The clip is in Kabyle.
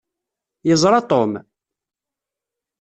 Yeẓṛa Tom?